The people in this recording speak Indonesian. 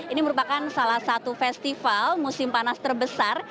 ini merupakan salah satu festival musim panas terbesar